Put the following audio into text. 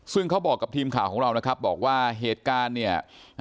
ซึ่งเขาบอกกับทีมข่าวของเรานะครับบอกว่าเหตุการณ์เนี่ย